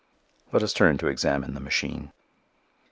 Let us turn to examine the machine.